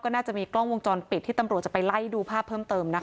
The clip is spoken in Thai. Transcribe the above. น่าจะมีกล้องวงจรปิดที่ตำรวจจะไปไล่ดูภาพเพิ่มเติมนะคะ